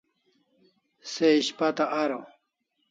Se ishpata araw